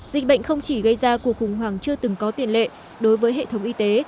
dịch bệnh không chỉ gây ra cuộc khủng hoảng chưa từng có tiền lệ đối với hệ thống y tế